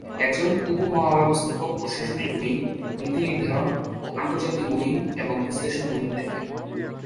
একজন উপ-মহাব্যবস্থাপক প্রশাসনিক উইং, নীতি নির্ধারণ ও আন্তর্জাতিক উইং, এবং বিশ্লেষণ উইং দেখেন।